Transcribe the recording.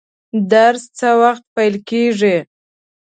درس څه وخت پیل کیږي؟